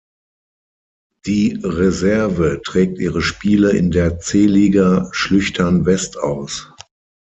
Die Reserve trägt ihre Spiele in der C-Liga Schlüchtern West aus.